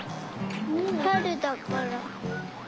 はるだから。